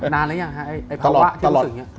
นานหรือยังฮะไอ้ภาวะที่รู้สึกอย่างนี้